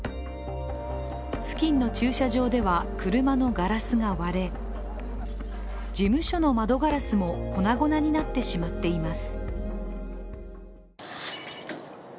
付近の駐車場では車のガラスが割れ事務所の窓ガラスも粉々になってしまっています。